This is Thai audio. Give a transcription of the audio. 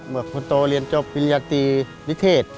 คุณโตเลียนจบวิญญาตรีนิเศษ